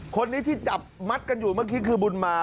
คนนี้ที่จับมัดกันอยู่เมื่อกี้คือบุญมา